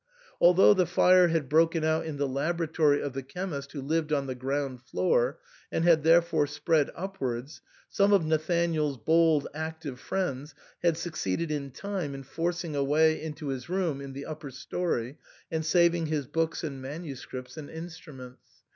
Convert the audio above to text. Although the fire had broken out in the laboratory of the chemist who lived on the ground floor, and had therefore spread upwards, some of Nathanael's bold, active friends had succeeded in time in forcing a way into his room in the upper storey and saving his books and manuscripts and instruments.